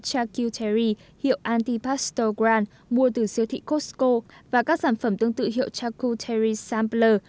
charcuterie hiệu antipasto grant mua từ siêu thị costco và các sản phẩm tương tự hiệu charcuterie sampler